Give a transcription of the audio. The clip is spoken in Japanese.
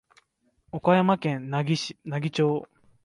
岡山県奈義町